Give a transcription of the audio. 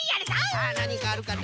さあなにかあるかな？